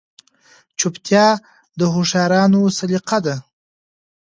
چوپتیا، د هوښیارانو سلیقه ده.